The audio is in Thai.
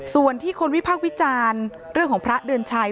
ส่วนที่คนวิพากษ์วิจารณ์เรื่องของพระเดือนชัย